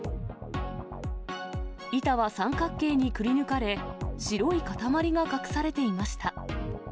板は三角形にくりぬかれ、白い塊が隠されていました。